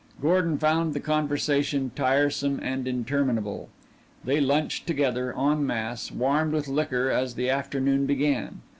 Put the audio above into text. Gordon found the conversation tiresome and interminable. They lunched together en masse, warmed with liquor as the afternoon began.